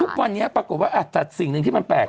แต่ทุกวันนี้ปรากฏว่าสิ่งหนึ่งที่มันแปลก